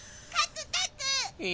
え？